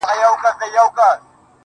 خو وخته لا مړ سوى دی ژوندى نـه دی~